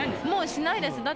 もうしないです。